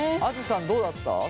あづさんどうだった？